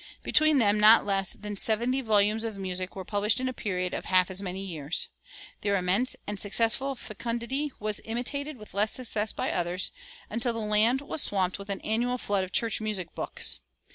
Between them not less than seventy volumes of music were published in a period of half as many years. Their immense and successful fecundity was imitated with less success by others, until the land was swamped with an annual flood of church music books.